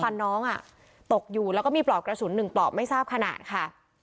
น้องอ่ะตกอยู่แล้วก็มีปลอกกระสุนหนึ่งปลอกไม่ทราบขนาดค่ะ